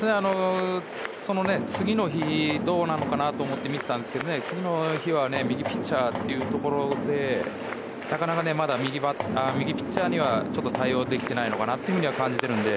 その次の日どうなのかなと思って見てたんですけど、次の日は右ピッチャーというところでなかなか、まだ右ピッチャーには対応できていないのかなと感じているので。